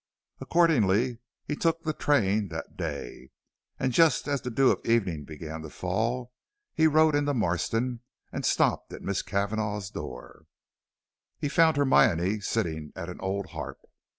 Accordingly he took the train that day, and just as the dew of evening began to fall, he rode into Marston and stopped at Miss Cavanagh's door. He found Hermione sitting at an old harp.